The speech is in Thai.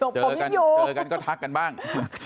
โอ้ผมยังอยู่เจอกันก็ทักกันบ้าง